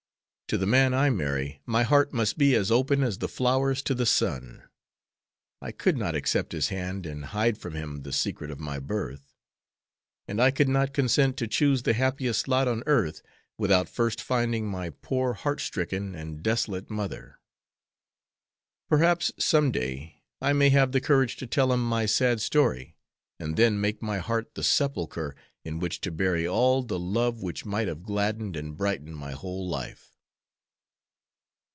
To the man I marry my heart must be as open as the flowers to the sun. I could not accept his hand and hide from him the secret of my birth; and I could not consent to choose the happiest lot on earth without first finding my poor heart stricken and desolate mother. Perhaps some day I may have the courage to tell him my sad story, and then make my heart the sepulchre in which to bury all the love which might have gladdened and brightened my whole life."